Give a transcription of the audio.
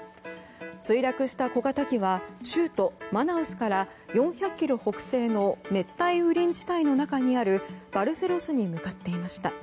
墜落した小型機は州都マナウスから４００ｋｍ北西の熱帯雨林地帯の中にあるバルセロスに向かっていました。